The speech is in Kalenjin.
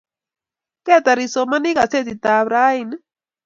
ketar isomani kasetitab raini?